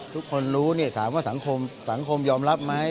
ทุกคนรู้ถามว่าสังคมยอมรับมั้ย